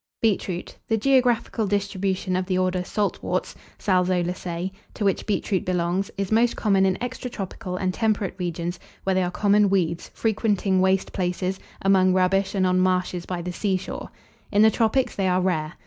[Illustration: BEETROOT.] BEETROOT. The geographical distribution of the order Saltworts (Salxolaceae), to which beetroot belongs, is most common in extra tropical and temperate regions, where they are common weeds, frequenting waste places, among rubbish, and on marshes by the seashore. In the tropics they are rare.